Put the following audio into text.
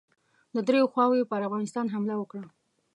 د دریو خواوو یې پر افغانستان حمله وکړه.